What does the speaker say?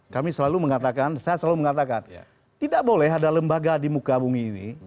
kami selalu mengatakan saya selalu mengatakan tidak boleh ada lembaga di muka bumi ini